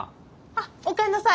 あおかえりなさい。